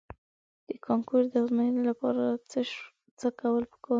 د کانکور د ازموینې لپاره څه کول په کار دي؟